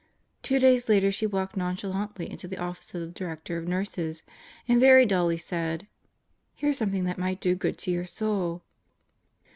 Two days later she walked non chalantly into the office of the Director of Nurses and very dully said: "Here's something that might do good to your soul."